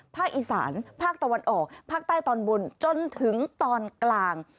ภาคอีสานภาคตะวันออกภาคใต้ตอนบนจนถึงตอนกลาง